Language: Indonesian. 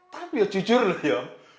tapi jujur loh ya